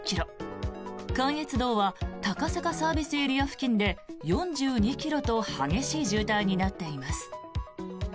関越道は高坂ＳＡ付近で４２ｋｍと激しい渋滞になっています。